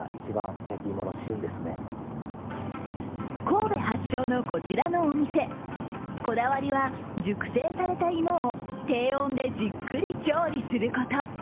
神戸発祥のこちらのお店、こだわりは熟成された芋を低温でじっくり調理すること。